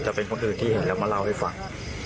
จะเป็นคนอื่นที่เห็นแล้วมาเล่าให้ฟัง